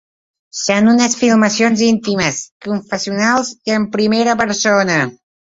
Són unes filmacions íntimes, confessionals i en primera persona.